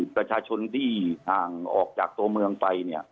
ประชาชนที่ห่างออกจากตัวเมืองไป